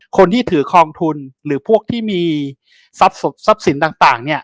คนที่ถือคลองทุนหรือพวกที่มีทรัพย์สินต่างเนี่ย